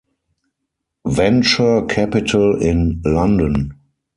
Venture Capital in London.